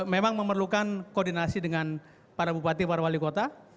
memang memerlukan koordinasi dengan para bupati para wali kota